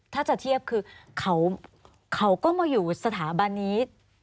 ถ้าจะเทียบคือเขาก็มาอยู่สถาบันนี้